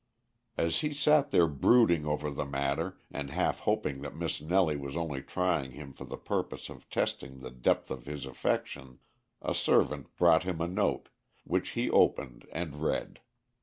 As he sat there brooding over the matter, and half hoping that Miss Nellie was only trying him for the purpose of testing the depth of his affection, a servant brought him a note, which he opened and read.